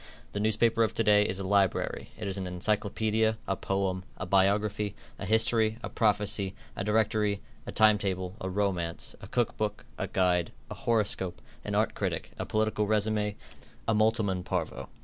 The newspaper of to day is a library. It is an encyclopaedia, a poem, a biography, a history, a prophecy, a directory, a time table, a romance, a cook book, a guide, a horoscope, an art critic, a political resume, a multum in parvo.